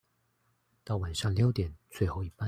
到晚上六點最後一班